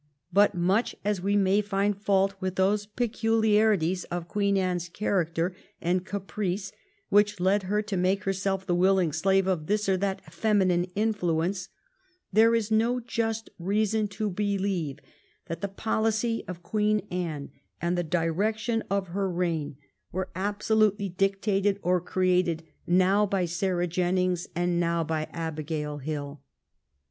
But much as we may find fault with those peculiarities of Queen Anne's character and caprice which led her to make herself the willing slave of this or that feminine influence, 389 THE RBiaN OF QUEEN ANKE there is no just reason to believe that the policy of Queen Anne and the direction of her reign were abso lutely dictated or created now by Sarah Jennings and now by Abigail Hill.